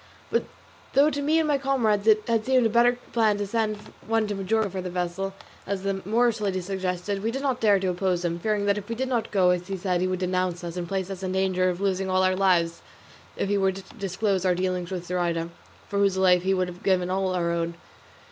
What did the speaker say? But though to me and my comrades it had seemed a better plan to send to Majorca for the vessel, as the Moorish lady suggested, we did not dare to oppose him, fearing that if we did not do as he said he would denounce us, and place us in danger of losing all our lives if he were to disclose our dealings with Zoraida, for whose life we would have all given our own.